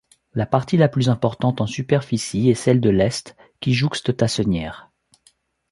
La partie la plus importante en superficie est celle de l'est qui jouxte Tassenières.